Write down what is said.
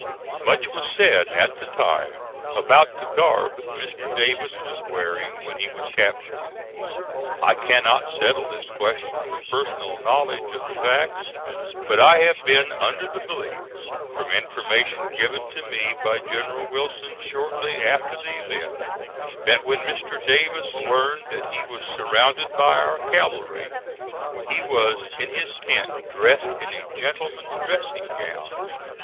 Much was said at the time about the garb Mr. Davis was wearing when he was captured. I cannot settle this question from personal knowledge of the facts; but I have been under the belief, from information given to me by General Wilson shortly after the event, that when Mr. Davis learned that he was surrounded by our cavalry he was in his tent dressed in a gentleman's dressing gown.